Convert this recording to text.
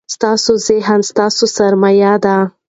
ستاسو ذهن ستاسو سرمایه ده.